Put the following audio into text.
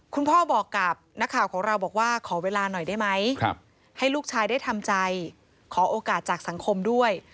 พ่อบอกกับนักข่าวของเราบอกว่าขอเวลาหน่อยได้ไหมให้ลูกชายได้ทำใจขอโอกาสจากสังคมด้วย